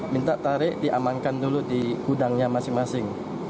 minta tarik diamankan dulu di gudangnya masing masing